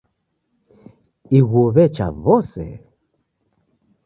Ighuo w'echa w'ose.